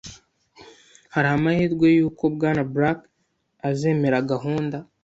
Hari amahirwe yuko Bwana Black azemera gahunda?